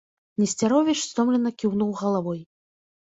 Несцяровіч стомлена кіўнуў галавой.